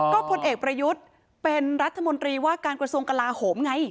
ก็พลเอกประยุทธ์เป็นรัฐมนตรีว่าการกระทรวงกลาโหมไง